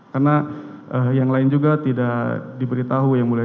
karena yang lain juga tidak diberitahu yang mulia